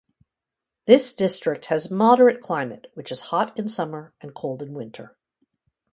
This district has moderate climate, which is hot in summer and cold in winter.